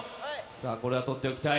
さあ、これは取っておきたい。